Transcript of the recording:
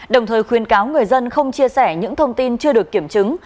đồng thời khuyến cáo người dân không chia sẻ những thông tin chưa được kiểm chứng